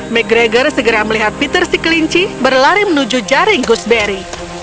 mcgregor segera melihat peter si kelinci berlari menuju jaring gusberry